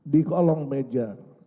di kolong meja